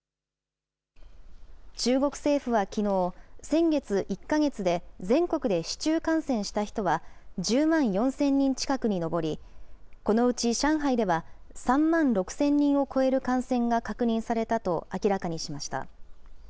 中国政府はきのう、先月１か月で全国で市中感染した人は、１０万４０００人近くに上り、このうち上海では、３万６０００人を超える感染が確認されたと明らかにしました。